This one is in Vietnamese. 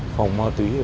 phòng ma túy